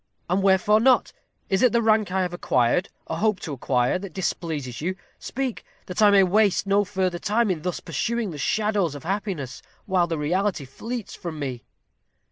And wherefore not? Is it the rank I have acquired, or hope to acquire, that displeases you? Speak, that I may waste no further time in thus pursuing the shadows of happiness, while the reality fleets from me."